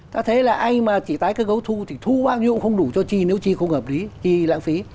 ta thấy là ai mà chỉ tái cơ cấu thu thì thu bao nhiêu cũng không đủ cho chi nếu chi không hợp lý chi lãng phí